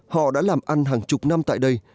họ đã làm ăn hàng chục năm tại đây